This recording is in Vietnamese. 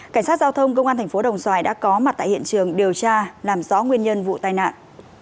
cảnh sát giao thông công an thành phố đồng xoài đã có mặt tại hiện trường điều tra làm rõ nguyên nhân vụ tai nạn